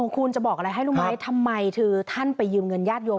คุณจะบอกอะไรให้รู้ไหมทำไมคือท่านไปยืมเงินญาติโยม